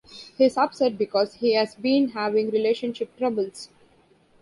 He is upset because he has been having relationship troubles.